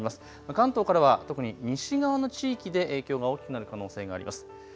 関東からは特に西側の地域で影響が大きくなる可能性があります。